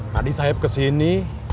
tadi sahib kesini